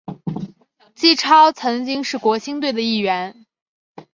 纪超曾经是国青队的一员。